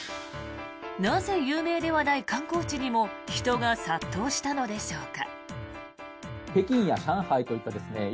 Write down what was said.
なぜ、有名ではない観光地にも人が殺到したのでしょうか。